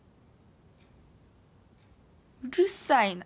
うるさいな！